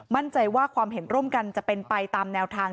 มั่นใจว่าความเห็นร่วมกันจะเป็นไปตามแนวทาง